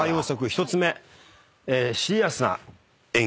１つ目シリアスな演技。